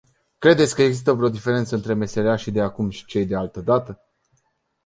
Credeți că există vreo diferență între meseriașii de acum și cei de altădată.